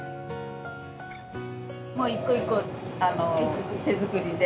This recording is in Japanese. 一個一個手作りで。